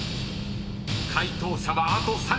［解答者はあと３人］